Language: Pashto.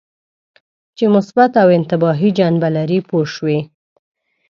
چې مثبته او انتباهي جنبه لري پوه شوې!.